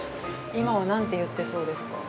◆今は何て言ってそうですか。